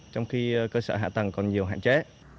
trong khi cơ sở hạ tầng còn nhiều hạn chế